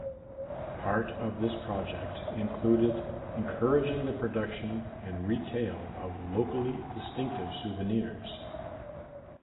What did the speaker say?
Part of this project included encouraging the production and retail of locally distinctive souvenirs.